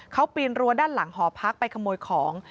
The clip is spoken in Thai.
เขาปีนรั้วด้านหลังหอพักไปขโมยของ